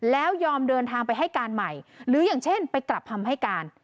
แล้วยอมเดินทางไปให้การใหม่หรืออย่างเช่นไปกลับคำให้การ